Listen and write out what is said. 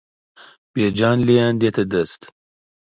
بێجان لێیان دێتە دەست